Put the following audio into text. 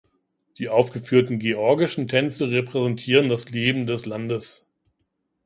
Die aufgeführten georgischen Tänze repräsentieren das Leben des Landes.